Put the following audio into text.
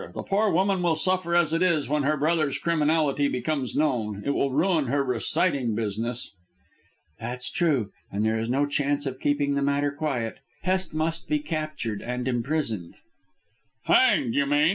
The poor woman will suffer as it is when her brother's criminality becomes known. It will ruin her reciting business." "That's true, and there is no chance of keeping the matter quiet. Hest must be captured and imprisoned." "Hanged, you mean.